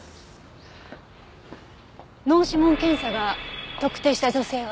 脳指紋検査が特定した女性は？